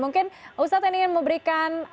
mungkin ustadz ingin memberikan